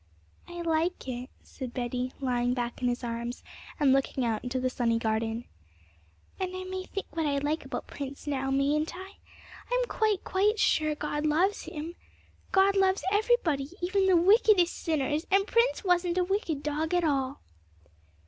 'I like it,' said Betty, lying back in his arms, and looking out into the sunny garden. 'And I may think what I like about Prince now, mayn't I? I'm quite, quite sure God loves him. God loves everybody, even the wickedest sinners, and Prince wasn't a wicked dog at all.'